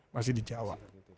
masih di jawa